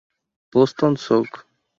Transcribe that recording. Boston Soc.